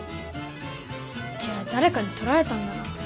じゃあだれかにとられたんだな。